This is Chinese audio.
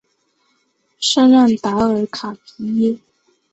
圣让达尔卡皮耶。